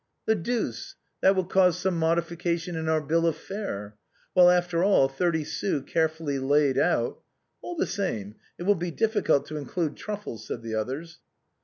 " The deuce ; that will cause some modification in our bill of fare. Well, after all, thirty sous carefully laid out — All the same it will be difficult to include truffles," said the others.